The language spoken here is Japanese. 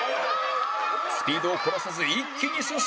スピードを殺さず一気に進む